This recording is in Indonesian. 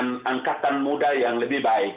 kami mengatakan kita harus menjaga untuk mempertahankan